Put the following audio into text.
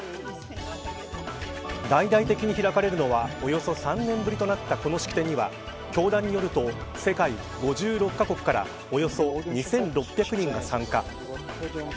大々的に開かれるのはおよそ３年ぶりとなったこの式典には教団によると世界５６か国からおよそ２６００人が参加。